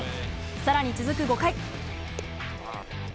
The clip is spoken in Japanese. さらに続く５回。